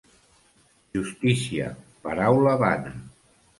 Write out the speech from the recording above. Justícia, paraula vana.